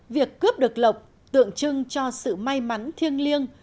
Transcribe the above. việc cướp được lộc tượng trưng cho sự may mắn thiêng liêng